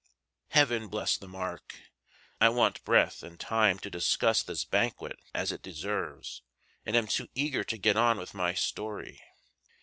Heaven bless the mark! I want breath and time to discuss this banquet as it deserves, and am too eager to get on with my story.